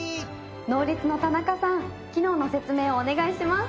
ノーリツの田中さん機能の説明をお願いします。